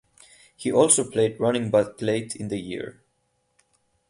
He also played running back late in the year.